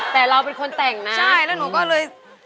แต่เราเป็นคนแต่งนะใช่แล้วหนูก็เลย